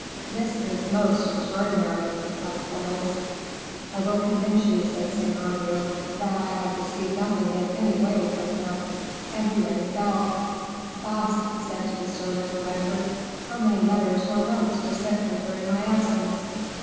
"This is most extraordinary," replied Porthos. "I will convince you," said Saint Aignan, "that have received nothing in any way from him." And he rang the bell. "Basque," he said to the servant who entered, "how many letters or notes were sent here during my absence?"